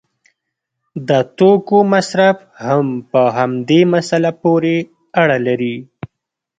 د توکو مصرف هم په همدې مسله پورې اړه لري.